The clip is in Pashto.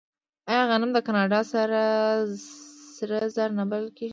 آیا غنم د کاناډا سره زر نه بلل کیږي؟